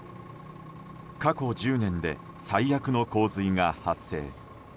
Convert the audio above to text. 過去１０年で最悪の洪水が発生。